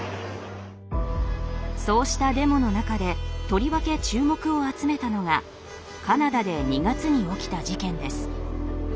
そうしたデモの中でとりわけ注目を集めたのがカナダで２月に起きた事件です。